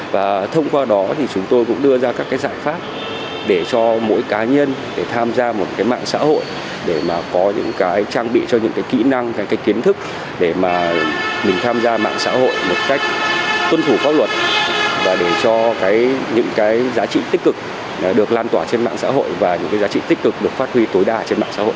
và thông qua đó thì chúng tôi cũng đưa ra các cái giải pháp để cho mỗi cá nhân để tham gia một cái mạng xã hội để mà có những cái trang bị cho những cái kỹ năng những cái kiến thức để mà mình tham gia mạng xã hội một cách tuân thủ pháp luật và để cho những cái giá trị tích cực được lan tỏa trên mạng xã hội và những cái giá trị tích cực được phát huy tối đa trên mạng xã hội